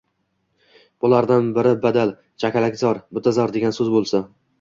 Bulardan biri badal “chakalakzor”, “butazor” degan so‘z bo‘lsa